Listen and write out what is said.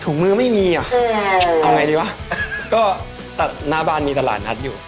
มือไม่มีอ่ะเอาไงดีวะก็หน้าบ้านมีตลาดนัดอยู่